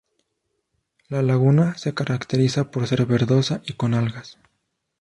La laguna se caracteriza por ser verdosa y con algas.